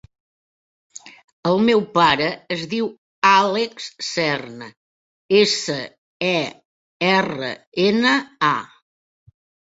El meu pare es diu Àlex Serna: essa, e, erra, ena, a.